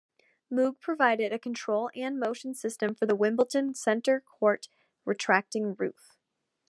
Moog provided a control and motion system for the Wimbledon Centre Court retracting roof.